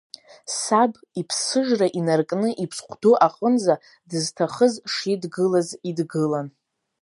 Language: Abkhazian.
Саб иԥсыжра инаркны, иԥсхә ду аҟынӡа дызҭахыз шидгылаз идгылан.